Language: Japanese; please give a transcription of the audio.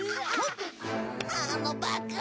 あのバカ。